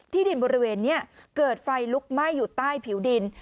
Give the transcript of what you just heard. ดินบริเวณนี้เกิดไฟลุกไหม้อยู่ใต้ผิวดิน